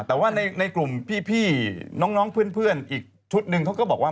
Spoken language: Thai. แต่ว่าในกลุ่มพี่น้องเพื่อนอีกชุดหนึ่งเขาก็บอกว่า